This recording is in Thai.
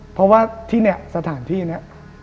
เพราะว่าที่เนี่ยสถานที่นี้